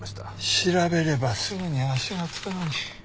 調べればすぐに足が付くのに。